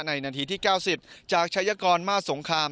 นาทีที่๙๐จากชายกรมาสงคราม